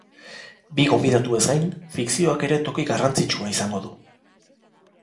Bi gonbidatuez gain, fikzioak ere toki garrantzitsua izango du.